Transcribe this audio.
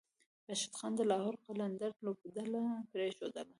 راشد خان د لاهور قلندرز لوبډله پریښودله